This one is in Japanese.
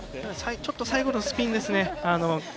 ちょっと最後のスピンですね。